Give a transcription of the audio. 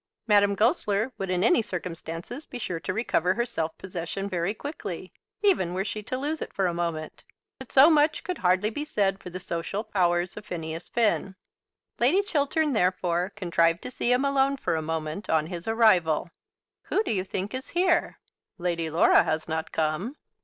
Madame Goesler would in any circumstances be sure to recover her self possession very quickly, even were she to lose it for a moment; but so much could hardly be said for the social powers of Phineas Finn. Lady Chiltern therefore contrived to see him alone for a moment on his arrival. "Who do you think is here?" "Lady Laura has not come!"